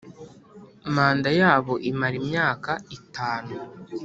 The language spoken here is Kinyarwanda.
Manda yabo imara imyaka itanu